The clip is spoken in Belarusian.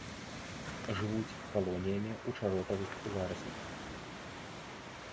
Жывуць калоніямі ў чаротавых зарасніках.